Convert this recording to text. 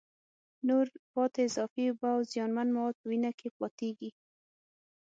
نورې پاتې اضافي اوبه او زیانمن مواد په وینه کې پاتېږي.